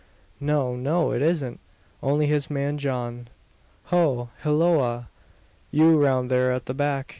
"No, no! it isn't. Only his man John." "Ho! hilloa, you round there at the back!